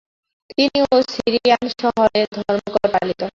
তিনি ও সিরিয়ান শহরে ধর্মঘট পালিত হয়।